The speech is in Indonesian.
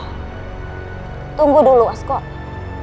ah tunggu dulu asgore